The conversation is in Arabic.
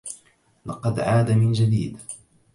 لقد عاد من جديد.